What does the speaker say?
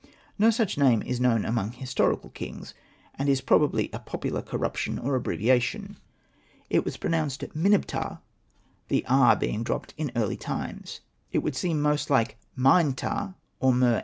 No such name is known among his torical kings ; and it is probably a popular corruption or abbreviation. It was pro Hosted by Google REMARKS 123 nounced Minibptah, the r being dropped in early times. It would seem most like Mine ptah or Mer.